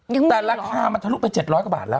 แต่ราคามันทะลุไป๗๐๐กว่าบาทแล้ว